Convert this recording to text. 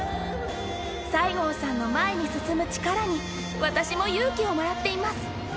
西郷さんの前に進む力に、私も勇気をもらっています。